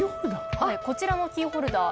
こちらのキーホルダー。